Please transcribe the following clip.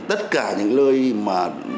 tất cả những lơi mà